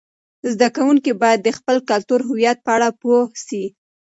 زده کوونکي باید د خپل کلتوري هویت په اړه پوه سي.